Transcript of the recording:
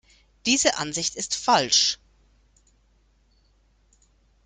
Diese Ansicht ist falsch.